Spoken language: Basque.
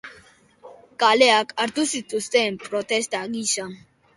Kaleak hartu zituzten protesta gisa.